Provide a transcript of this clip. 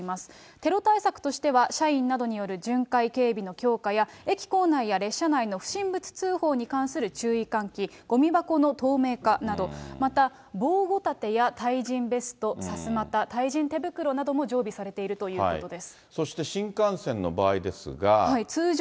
テロ対策としては、社員などによる巡回警備の強化や、駅構内や列車内の不審物通報に関する注意喚起、ごみ箱の透明化など、また、防護盾や対刃ベスト、さすまた、たいじん手袋なども常備されているということです。